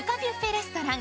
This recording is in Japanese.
レストラン